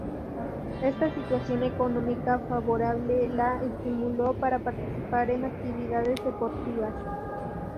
Esta situación económica favorable la estimuló para participar en actividades deportivas.